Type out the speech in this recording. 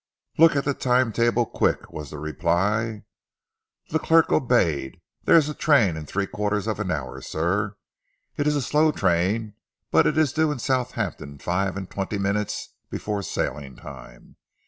"Look at the time table, quick!" was the reply. The clerk obeyed. "There is a train in three quarters of an hour, sir. It is a slow train, but it is due in Southampton five and twenty minutes before sailing time.